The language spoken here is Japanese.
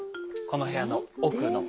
この部屋の奥の。